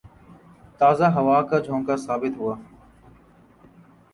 تازہ ہوا کا جھونکا ثابت ہوا